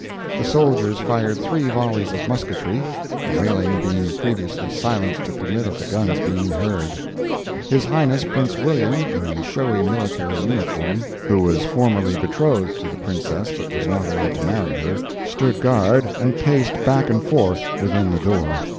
The soldiers fired three volleys of musketry—the wailing being previously silenced to permit of the guns being heard. His Highness Prince William, in a showy military uniform (who was formerly betrothed to the Princess but was not allowed to marry her), stood guard and paced back and forth within the door.